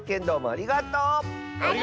ありがとう！